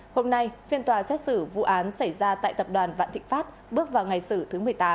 hôm nay phiên tòa xét xử vụ án xảy ra tại tập đoàn vạn thịnh pháp bước vào ngày xử thứ một mươi tám